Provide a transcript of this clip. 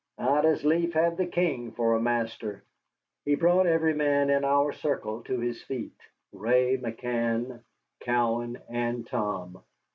I'd as lief have the King for a master." He brought every man in our circle to his feet, Ray, McCann, Cowan, and Tom.